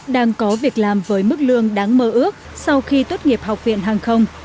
đang có việc làm với mức lương đáng mơ ước sau khi tốt nghiệp học viện hàng không